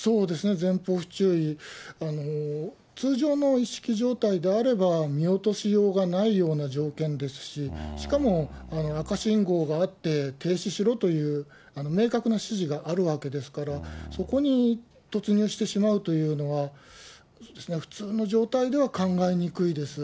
前方不注意、通常の意識状態であれば見落としようがないような条件ですし、しかも赤信号があって、停止しろという明確な指示があるわけですから、そこに突入してしまうというのは、普通の状態では考えにくいです。